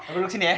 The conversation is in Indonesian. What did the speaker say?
aku duduk sini ya